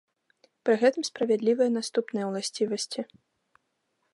Пры гэтым справядлівыя наступныя ўласцівасці.